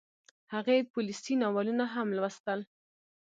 هغې پوليسي ناولونه هم لوستل